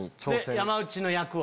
山内の役を？